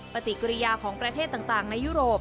ปฏิกิริยาของประเทศต่างในยุโรป